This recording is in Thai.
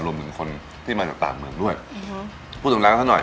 รวมเป็นคนที่มาจากต่างเมืองด้วยพูดถึงแล้วเท่านั้นหน่อย